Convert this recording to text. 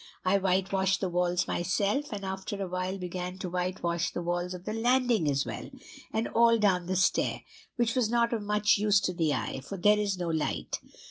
I whitewashed the walls myself, and after a while began to whitewash the walls of the landing as well, and all down the stair, which was not of much use to the eye, for there is no light.